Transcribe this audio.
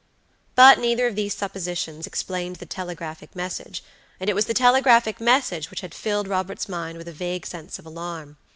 But neither of these suppositions explained the telegraphic message, and it was the telegraphic message which had filled Robert's mind with a vague sense of alarm.